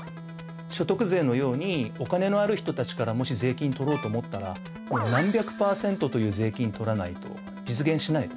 所得税のようにお金のある人たちからもし税金取ろうと思ったらもう何百％という税金取らないと実現しないですね。